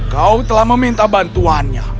kau telah meminta bantuannya